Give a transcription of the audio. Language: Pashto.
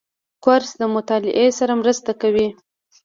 کورس د مطالعې سره مرسته کوي.